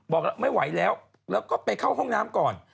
บอกแล้วไม่ไหวแล้วแล้วก็ไปเข้าห้องน้ำก่อน